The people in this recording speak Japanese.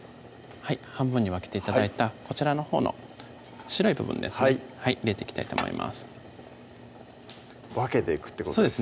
半分に分けて頂いたこちらのほうの白い部分ですね入れていきたいと思います分けていくってことですね